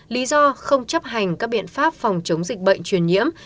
lý do không chấp hành các biện pháp phòng chống dịch bệnh truyền nhiễm